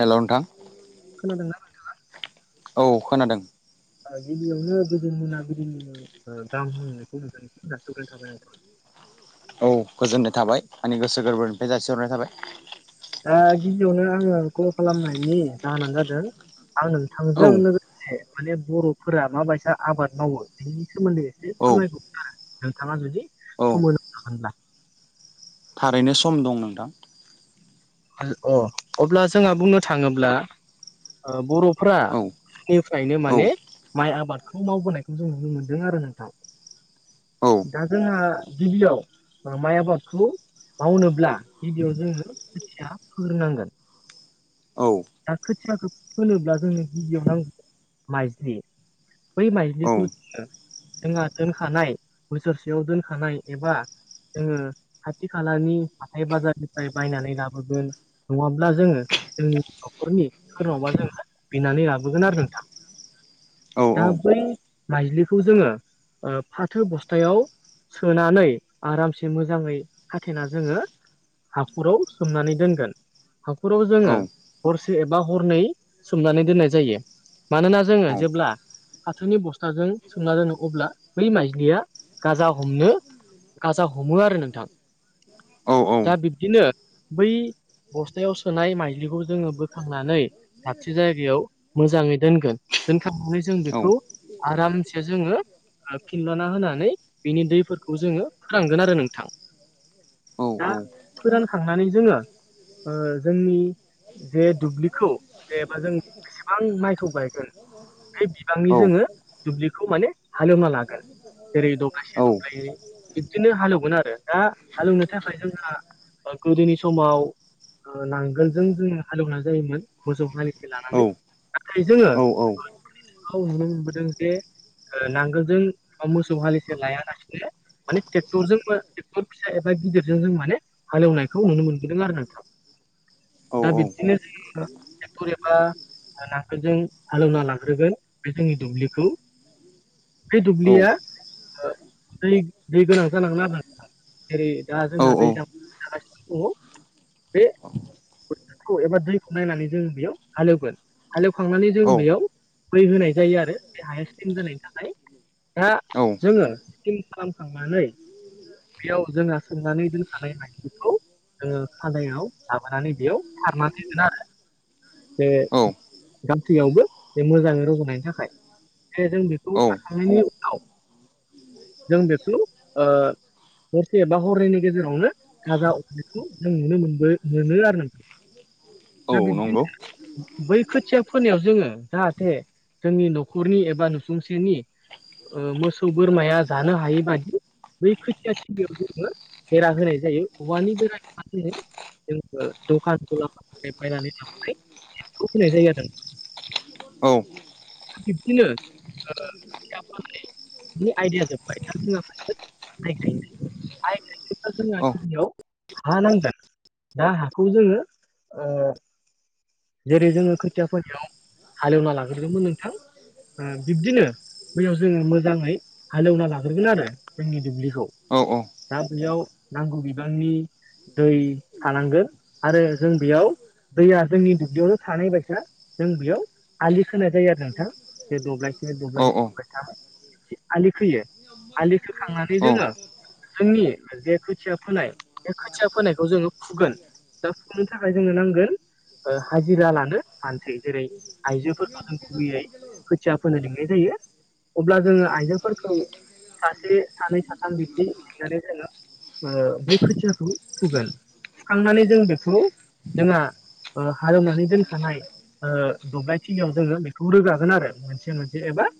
हेल' नोंथां। खोनादोंना? औ खोनादों। गिबियावनो गोजोन मोनाबिलिनि गाहाम हामलायनायखौ जासि हरग्रोनाय थाबाय नोंथां। औ गोजोननाय थाबाय आंनि गोसो गोरबोनिफ्राय जासिहरनाय थाबाय। दा गिबियावनो आङो कल खालामनायनि जाहोनानो जादों आं नोंथांजों औ लोगो से माने बर'फोरा माबायसा आबाद मावो बेनि सोमोन्दै एसे औ फोरमायहरनि आरो। नोंथाङा जुदि औ सम होनो हागोनब्ला। थारैनो सम दं नोंथां। अ अब्ला जोंहा बुंनो थाङोब्ला ओ बर'फ्रा औ गोदोनिफ्रायनो औ माने माइ आबादखौ मावबोनायखौ जों नुनो मोनदों आरो नोंथां। औ दा जोंहा गिबियाव माइ आबादखौ मावनोब्ला गिबियाव जोङो खोथिया फोग्रोनांगोन औ दा खोथियाखौ फोनोब्ला जोंनो गिबियाव नांगौ माइज्लि बै औ माइज्लिखौ जोङो जोंहा दोनखानाय बोसोरसेयाव दोनखानाय एबा जोङो खाथि खालानि हाथाय बाजारनिफ्राय बायनानै लाबो गोन नङाब्ला जोङो जोंनि न'खरनि सोरनावबा जों बिनानै लाबोगोन आरो नोंथां दा औ बै माइज्लिखौ जोङो फाथो बस्थायाव सोनानै आरामसे मोजाङै खाथेना जोङो हाखराव सोमनानै दोनगोन हाखराव जोङो औ हरसे एबा हरनै सोमनानै दोननाय जायो मानोना जोङो जेब्ला हाथोनि बस्थाजों सोमना दोनो अब्ला बै माइज्लिया गाजा हमनो गाजा हमो आरो नोंथां औ औ दा बिब्दिनो बै बस्थायाव सोनाय माइलिखौ जोङो बोखांनानै दाबसे जायगायाव मोजाङै दोनगोन दोनखांनानै जों बेखौ औ आरामसे जोङो फिनलना होनानै बिनि दैफोरखौ जोङो फोरानगोन आरो नोंथां औ-औ थांनानै जोङो ओ जोंनि जे दुब्लिखौ जे बा जों बेसेबां माइखौ गायगोन बे बिबांनि जोङो दुब्लिखौ माने हाले एवना लागोन जेरै दब्लायसे दब्लायनै बिब्दिनो हाले एवगोन आरो दा हाले एवनो थाखाय जोंहा ओ गोदोनि समाव नांगोलजों जोङो हालेवनाय जायोमोन मोसौ हालिखौ लानानै नाथाय जोङो औ-औ औ नुनो मोनबोदों जे नांगोलजों मोसौ हालिसे लायालासिनो माने ट्रेक्टरजों ट्रेक्टर फिसा एबा गिदिरजों जों माने हाले एवनायखौ नुनो मोनबोदों आरो नोंथां दा बिब्दिनो जोङो ट्रेक्टर एबा नांगोलजों हालेवना लांग्रोगोन बे जोंनि दुब्लिखौ बे दुब्लिया दै दै गोनां जानांगोन आरो नोंथां जेरै दा जोंहा दैज्लां [unintelligible] दङ बे बोथोरखौ एबा दैखौ नायनानै जों बेयाव हालेवगोन हाले एवखांनानै जों बेयाव मै होनाय जायो आरो बे हाया स्लिम जानायनि थाखाय दा जोङो स्लिम खालामखांनानै बेयाव जोंहा सोंनानै दोनखानाय हायाव जोङो सायायाव लाबोनानै बेयाव सारनानै होगोन आरो बे औ गासैयावबो बे मोजाङै रज'नायनि थाखाय जे जों बेखौ औ सारखांनायनि उनाव जों बेखौ हरसे एबा हरनैनि गेजेरावनो गाजा हरनायखौ जों नुनो मोनबो मोनो आरो नोंथां औ नंगौ [unintelligible] बै खोथिया फोनायाव जोङो जाहाथे जोंनि न'खरनि एबा नुसुंसेनि मोसौ बोरमाया जानो हायि बादि बै खोथिया थिलिआव जोङो बेरा होनाय जायो औवानि बेरा [unintelligible] जोङो जोंङो दखान गलाफोरनिफ्राय बायनानै लाबोनाय खौ फोनाय जायो आरो नोंथां औ बिब्दिनो [unintelligible] आइडिया जोब्बाय [unintelligible] औ [unintelligible] मा नांगोन। दा हाखौ जोङो ओ जेरै- जोङो खोथिया फोनायाव हालेवना लाग्रोदोंमोन नोंथां। बिब्दिनो बैयाव जोङो मोजाङै हालेवना लाग्रोगोन आरो। जोंनि दुब्लि औ दा बेयाव नांगौ बिबांनि दै थानांगोन आरो जों बेयाव दैया जोंनि दुब्लियावनो थानाय बायसा जों बेयाव आलि खोनाय जायो आरो नोंथां। जे दब्लायसे औ दब्लायनै दब्लायथाम आलि खोयो। आलि खोखांनानै जोङो जोंनि जे खोथिया फोनाय बे खोथिया फोनायखौ जोंङो फुगोन। दा फुनो थाखाय जोंनो नांगोन हाजिरा लानो मानसि। जेरै- आइजोफोरफोरखौ जों गुबैयै खोथिया फुनो लेंनाय जायो। अब्ला जोंङो आइजोेंफोरखौ सासे सानै साथाम बिब्दि सोंनानै जोंङो बै खोथियाखौ फुगोन। फुखांनानै जों बेखौ जोंहा ओ हालेवनानै दोनखानाय ओ दब्लायथिलियाव जोङो बेखौ रोगागोन आरो मोनसे मोनसे एबा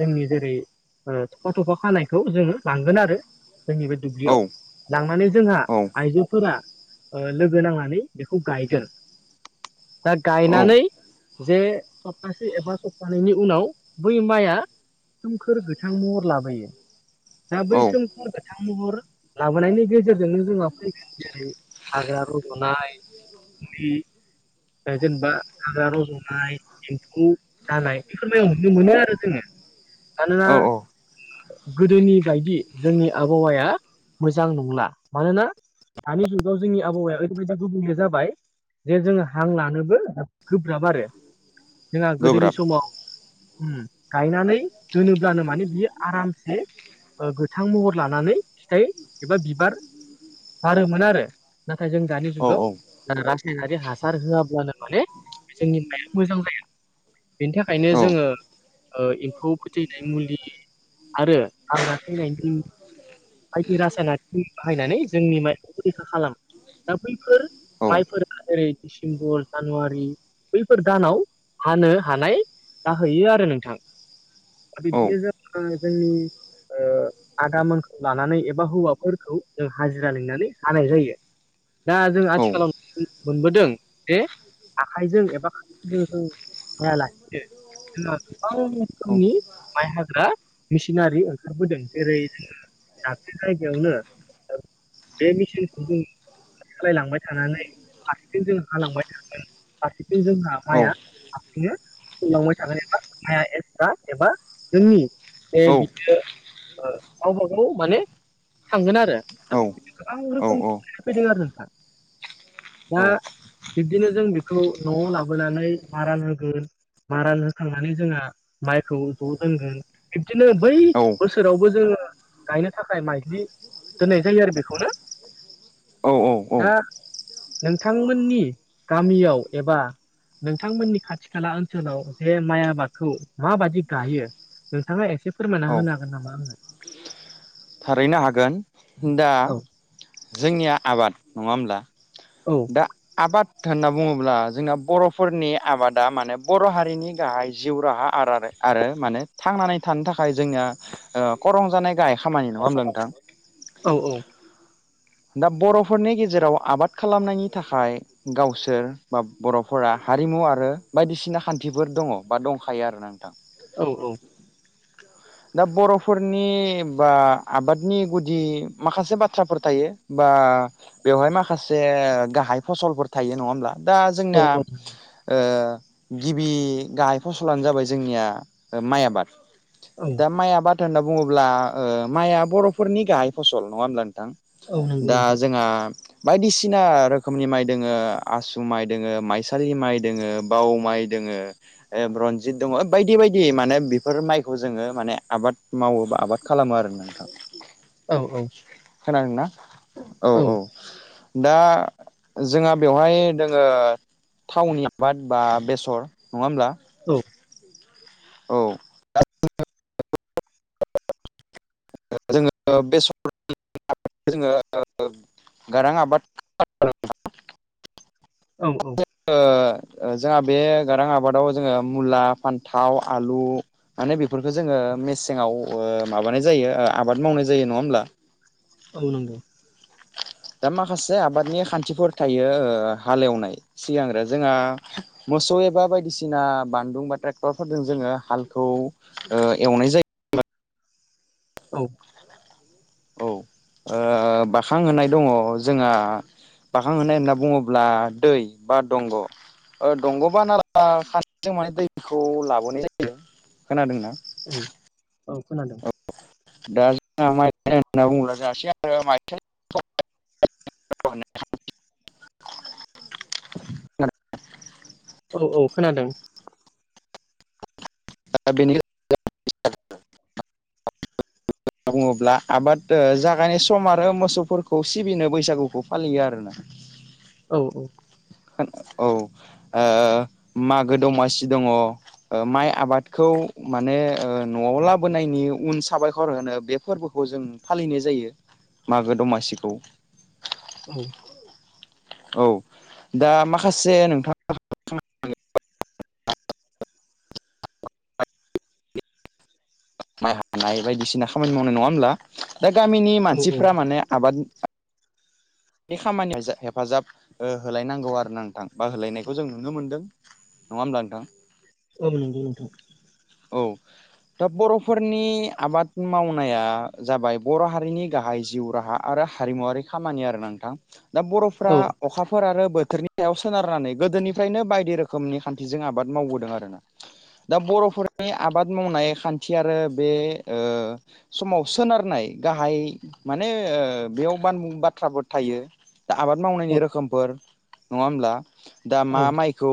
जोंनि जेरै- थफा थफा खानायखौ जोङो लांगोन आरो। जोंनि बे दुब्लियाव लांनानै जोंहा आइजोफोरा लोगो नांनानै। बेखौ खौ गायगोन। दा गायनानै औ जे सप्तासे एबा सप्तानैनि उनाव बै माइआ सोमखोर गोथां महर लाबोयो। दा बै औ समखौ गोथां महर लाबोनायनि गेजेरजोंनो जोंहा फैखायो। जेरै हाग्रा रज'ना मुलि जेनेबा हागा रज'नाय, एम्फौ जानाय बेफोरनो नुनो मोनो आरो जोङो। मानोना औ औ गोदोनि बायदि जोंनि आबहावाया मोजां नंला। मानोना दानि जुगाव जोंनि आबहावाया ओरैबायदि गुबुंले जाबो बाय जे जोङो हां लानोबो गोब्राब आरो जोंहा गोदोनि गोब्राब समाव उम गायनानै दोनोब्लानो माने बियो आरामसे गोथां महर लानानै फिथाइ एबा बिबार गारोमोन आरो। नाथाय जों दानि औ औ जुगाव रासायनारि हासार होआब्लानो माने जोंनि माया मोजां जाया। बेनि थाखायनो औ जोंङो एम्फौ फोथैनाय मुलि आरो हाग्रा थैनायनि बायदि रासायनारि बाहायनानै जोंनि माइखौ रैखा खालामो। दा बैफोर औ जायफोरा ओरै डिसेम्बर जानुवारि बैफोर दानाव हानो हानाय जाहैयो आरो नोंथां। दा बिदिनो औ ज जोंनि आदामोनखौ लानानै एबा हौवाफोरखौ जों हाजिरा लिंनानै हानाय जायो। दा जों औ आथिखालाव मोनबोदों जे आखाइजों एबा खाथिजों हायालासे जोंहा गोबां औ रोखोमनि माइ हाग्रा मेसिनारि ओंखारबोदों। जेरै- दाबसे जायगायावनो बे मिसिनखौ जों सालायलांबाय थानानै हारसिजों जों हालांबाय थागोन। फारसेथिं जोंहा औ माया गलांबाय थागोन एबा एक्सट्रा एबा जोंनि बे औ बियो ओ गावबा गाव माने थांगोन आरो। औ गोबां औ रोखोमनि फैदों आरो नोंथां। दा बिब्दिनो जों बेखौ न'आव लाबोनानै मारा होगोन। मारान होखांनानै जोंहा माइखौ ज' दोनगोन बिब्दिनो बै बोसोरावबो जोंङो गायनो थाखाय माइज्लि दोननाय जायो आरो बेखौनो औ औ औ दा नोंथांमोननि गामिआव एबा नोंथांमोननि खाथि खाला ओनसोलाव जे माइ आबादखौ माबादि गायो नोंथांआ एसे फोरमायना औ होनो हागोन नामा आंनो थारैनो हागोन दा औ जोंनिआ आबाद नंङा होमब्ला औ दा आबाद होनना बुंङोब्ला जोंना बर'फोरनि आबादा माने बर' हारिनि गाहाय जिउ राहा आर आरो माने थांनानै थानो थाखाय जोंनिआ ओ खरं जानाय गाय ओह ओह औ औ दा बर'फोरनि गेजेराव आबाद खालामनायनि थाखाय गावसोर बा बर'फोरा हारिमु आरो बायदिसिना खान्थिफोर दं बा दंखायो आरोना नोंथां औ औ दा बर'फोरनि बा आबादनि गुदि माखासे बाथ्राफोर थायो बा बेवहाय माखासे गाहाय फसलफोर थायो नङा होमब्ला दा जोंना औ औ ओ गिबि गाहाय फसलानो जाबाय जोंनिआ माइ आबाद औ दा माइआ बाथ्रा होनना बुङोब्ला ओ माइआ बर'फोरनि गाहाय फसल नङा होमब्ला नोंथां औ नंगौ दा नोंथां जोंहा बायदिसिना रोखोमनि माइ दोङो आसु माइ दोङो माइसालि माइ दोङो बाव माइ दो दोङो ओ रनजित दङो बायदि बायदि माने बेफोर माइखौ जोङो माने आबाद मावो बा आबाद खालामो आरो ना औ औ खोनादोंना औ औ दा जोंहा बेवहाय दोङो थावनि आबाद बा बेसर नंङा होमब्ला औ औ जोङो बेसरनि आबादखौ जोङो गारां आबाद औ औ जोंहा बे गारां आबादाव जोङो मुला फान्थाव आलु माने बेफोरखौ जोङो मेसेंआव ओ माबानाय जायो ओ आबाद मावनाय जायो नङा होमब्ला औ नंगौ दा माखासे आबादनि खान्थिफोर थायो ओ हालेवनाय सिगांग्रो जोंहा मोसौ एबा बायदिसिना बानदुं बा ट्रेक्टरफोरजों जोङो हालखौ ओ एवनाय जायो औ औ ओ बाखांहोनाय दङ जोंहा बाखांहोनाय होनना बुङोब्ला दै बा दंग दंग बा नाला खान्थिजों माने दैखौ लाबोनाय जायो खोनादोंना उम औ खोनादों [unintelligible] औ नोंथां औ औ खोनादों दा बेनि गेजे होनना बुङोब्ला आबाद ओ जागायनाय सम आरो मोसौफोरखौ सिबिनो बैसागुखौ फालियो आरोना औ औ औ ओ मागो दमासि दङ ओ माइ आबादखौ माने न'आव लाबोनायनि उन साबायखर होनो बेफोरबोखौ जों फालिनाय जायो मागो दमासिखौ औ औ दा माखासे नोंथां [unintelligible] माइ हानाय बायदिसिना खामानि मावनाय नङा होमब्ला दा गामिनि औ औ मानसिफ्रा माने आबाद [inaudible] बे खामानियाव हेफाजाब होलायनांगौ आरोना नोंथां बा होलायनायखौ जों नुनो मोनदों नङा होनबा नोंथां औ नंगौ नोंथां औ दा बर'फोरनि आबाद मावनाया जाबाय बर' हारिनि गाहाय जिउ राहा आरो हारिमुवारि खामानि आरो नोंथां दा बर'फोरा औ अखाफोर आरो बोथोरनि सायाव सोनारनानै गोदोनिफ्रायनो बायदि रोखोमनि खान्थिजों आबाद मावबोदों आरोना दा बर'फोरा बे आबाद मावनाय खान्थि आरो बे ओ समाव सोनारनाय गाहाय माने ओ बेयाव बानबुं बाथ्राफोर थायो दा आबाद औ मावनायनि रोखोमफोर नङा होमब्ला दा औ मा माइ खौ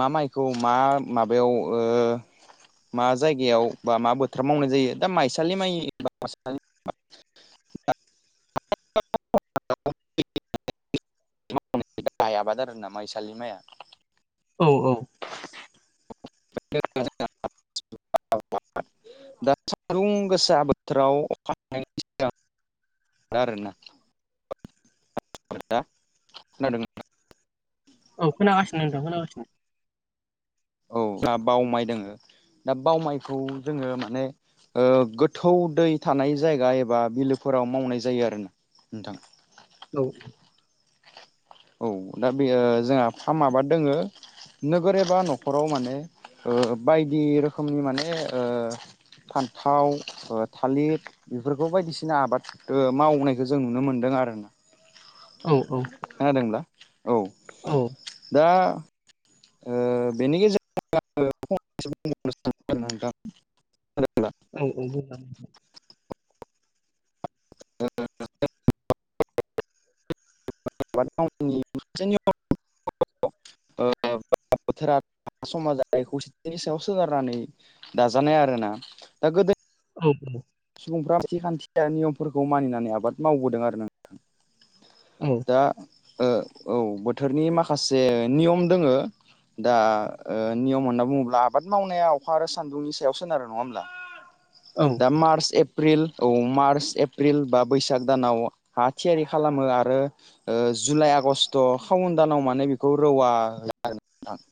मा माइखौ मा माबायाव ओ मा जायगायाव बा मा बोथोर मावनाय जायो दा माइसालि माइ बा [unintelligible] [unintelligible] [unintelligible] गाहाय आबाद आरोना माइसालि माइया औ औ [inaudible] [unintelligible] दा सान्दुं गोसा बोथोराव अखा हानायनि सिगां दा आरोना [unintelligible] खोनादों औ खोनागासिनो नोंथां खोनागासिनो औ जाहा बाव माइ दोङो दा बाव माइखौ जोङो माने ओ गोथौ दै थानाय जायगा एबा बिलोफोराव मावनाय जायो आरो ना नोंथां औ औ दा बेयो जोंहा फार्मा आबाद दोङो नोगोर एबा न'खराव माने ओ बायदि रोखोमनि माने ओ फान्थाव थालिर बेफोरखौ बायदिसिना आबाद मावनायखौ जों नुनो मोनदों आरोना औ औ खोनादोंब्ला औ औ दा ओ बेनि गेजेरजों आङो फंनैसो [unintelligible] [unintelligible] [unintelligible] औ नोंगौ नोंथां [unintelligible] [unintelligible] दा बोथोरा समाजारि खौसेथिनि सायाव सोनारनानै दाजानाय आरोना दा गोदो औ औ सुबुंफ्रा थिखान्थिया नियमफोरखौ मानिनानै आबाद मावबोदों आरो नों औ दा ओ औ बोथोरनि माखासे नियम दोङो दा ओ नियम होनना बुङोब्ला आबाद मावनाया अखा आरो सान्दुंनि सायावसोन आरो नङा होमब्ला औ दा मार्च एप्रिल औ मार्च एप्रिल बा बैसाग दानाव हा थियारि खालामो आरो। जुलाइ आगष्ट खावुन दानाव माने बेखौ रौवा हो आरो नोंथां।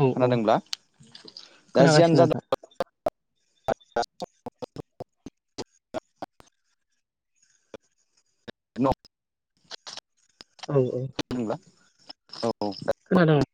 औ औ खोनादोंब्ला दा जियानो खोनागासिनो जादो नोंथां [unintelligible] न' [unintelligible] औ औ। होनब्ला। औ खोनादों।